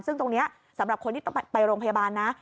ซึ่งตรงนี้สำหรับคนที่ต้องไปโรงพยาบาลนะ